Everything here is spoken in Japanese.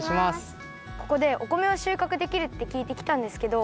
ここでお米をしゅうかくできるってきいてきたんですけど。